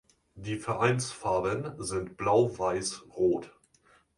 Die Vereinsfarben sind blau-weiß-rot.